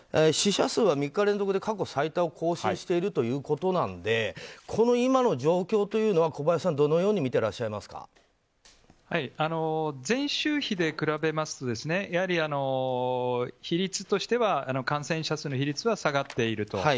死者数は３日連続で過去最多を更新してるということなので今の状況というのは小林さん、どのように前週比で比べますと比率としては感染者数の比率は下がっていると。